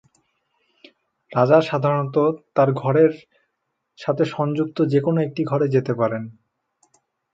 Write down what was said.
রাজা সাধারণতঃ শুধু তার ঘরের সাথে সংযুক্ত যে কোন একটি ঘরে যেতে পারে।